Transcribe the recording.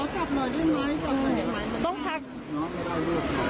กลับเข้ากันแล้วกัน